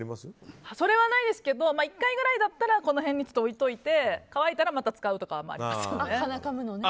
それはないですけど１回ぐらいだったらこの辺に置いておいて乾いたら使うとかはありますね。